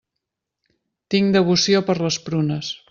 Tinc devoció per les prunes.